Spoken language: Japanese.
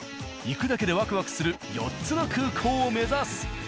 行くだけでワクワクする４つの空港を目指す。